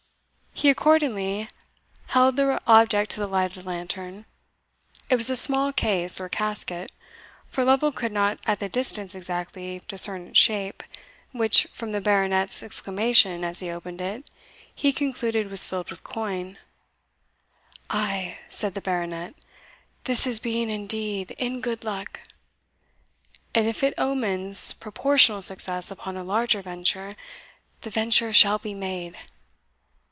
He accordingly held the object to the light of the lantern. It was a small case, or casket, for Lovel could not at the distance exactly discern its shape, which, from the Baronet's exclamation as he opened it, he concluded was filled with coin. "Ay," said the Baronet, "this is being indeed in good luck! and if it omens proportional success upon a larger venture, the venture shall be made.